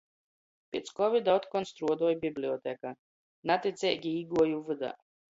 Piec kovida otkon struodoj biblioteka. Naticeigi īguoju vydā.